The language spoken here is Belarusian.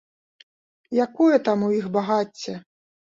Якое там у іх багацце?!